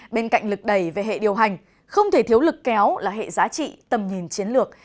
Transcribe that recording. bên cạnh lực đầy về hệ điều hành không thể thiếu lực kéo là hệ giá trị tầm nhìn chiến lược